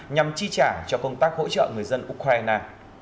nhằm chi trả cho công tác hỗ trợ người dân ukraine